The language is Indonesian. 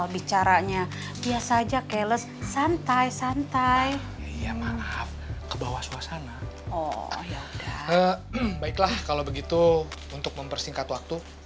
baiklah kalau begitu untuk mempersingkat waktu